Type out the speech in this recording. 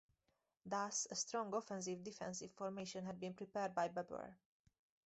Thus, a strong offensive-defensive formation had been prepared by Babur.